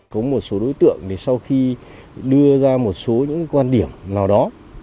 có một số đối tượng thì sau khi đưa ra một số những quan điểm nào đó